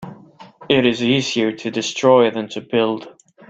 It is easier to destroy than to build.